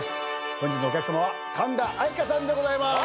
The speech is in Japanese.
本日のお客さまは神田愛花さんでございます。